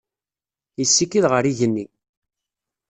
Yessikid ɣer yigenni.